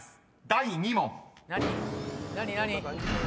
第２問］